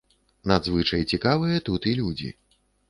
Надзвычай цікавыя тут і людзі.